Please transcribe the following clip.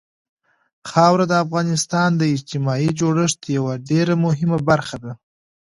خاوره د افغانستان د اجتماعي جوړښت یوه ډېره مهمه برخه ده.